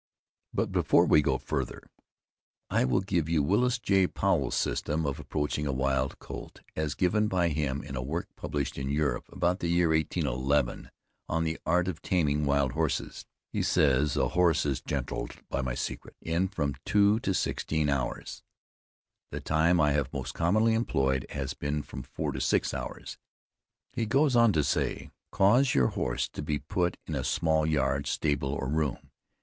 But, before we go further, I will give you Willis J. Powel's system of approaching a wild colt, as given by him in a work published in Europe, about the year 1811, on the "Art of taming wild horses." He says, "A horse is gentled by my secret, in from two to sixteen hours." The time I have most commonly employed has been from four to six hours. He goes on to say: "Cause your horse to be put in a small yard, stable, or room.